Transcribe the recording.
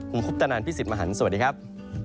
ผมคุปตะนันพี่สิทธิ์มหันฯสวัสดีครับ